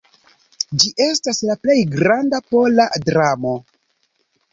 Ĝi estas la plej granda pola dramo.